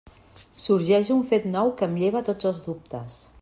Sorgeix un fet nou que em lleva tots els dubtes.